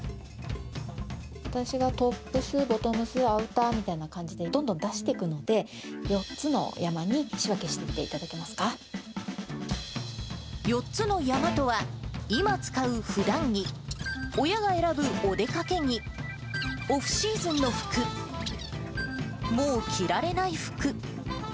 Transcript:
私がトップス、ボトムス、アウターみたいな感じで、どんどん出していくんで、４つの山に仕分けしていっていただけま４つの山とは、今使うふだん着、親が選ぶお出かけ着、オフシーズンの服、もう着られない服。